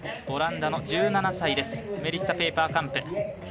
オランダの１７歳ですメリッサ・ペイパーカンプ。